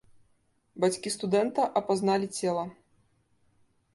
Бацькі студэнта апазналі цела.